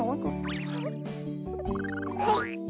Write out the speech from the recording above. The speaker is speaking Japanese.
はい。